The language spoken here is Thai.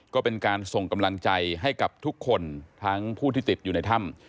ก็เป็นการส่งกำลังใจให้กับทุกคนทั้งผู้ที่ติดอยู่ในถ้ำ